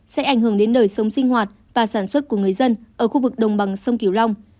sẽ ảnh hưởng đến đời sống sinh hoạt và sản xuất của người dân ở khu vực đồng bằng sông kiều long